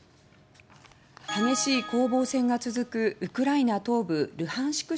激しい攻防戦が続くウクライナ東部ルハンシク